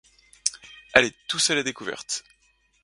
Allez tous à la découverte!